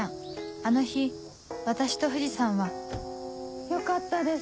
あの日私と藤さんはよかったです